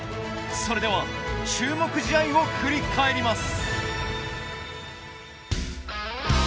それでは注目試合を振り返ります。